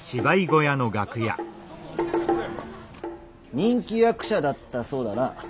人気役者だったそうだな。